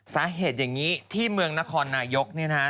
สาเหตุอย่างนี้ที่เมืองนครนายกเนี่ยนะฮะ